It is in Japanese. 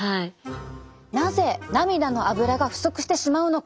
なぜ涙のアブラが不足してしまうのか。